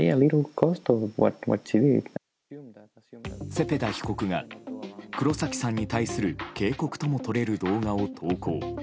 セペダ被告が黒崎さんに対する警告ともとれる動画を投稿。